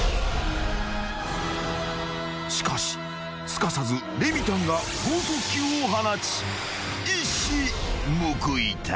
［しかしすかさずレミたんが剛速球を放ち一矢報いた］